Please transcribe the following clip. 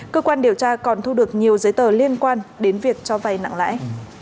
cơ quan điều tra còn thu được nhiều giấy tờ liên quan đến việc cho vay nặng lãi